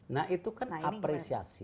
nah itu kan apresiasi